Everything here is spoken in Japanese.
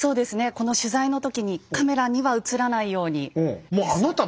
この取材の時にカメラには写らないように。